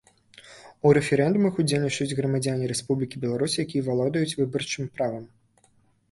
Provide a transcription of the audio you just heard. У рэферэндумах удзельнічаюць грамадзяне Рэспублікі Беларусь, якія валодаюць выбарчым правам.